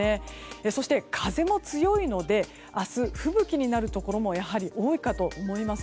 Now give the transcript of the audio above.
そして、風も強いので明日、吹雪になるところもやはり多いかと思います。